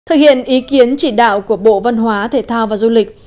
thực hiện ý kiến chỉ đạo của bộ văn hóa thể thao và du lịch